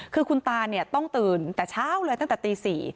คือคุณตาเนี่ยต้องตื่นแต่เช้าเลยตั้งแต่ตี๔